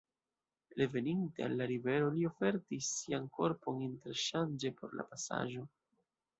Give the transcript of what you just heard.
Reveninte al la rivero li ofertis sian korpon interŝanĝe por la pasaĵo.